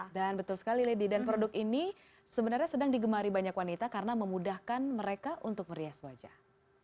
dan betul sekali lady dan produk ini sebenarnya sedang digemari banyak wanita karena memudahkan mereka untuk merias wajah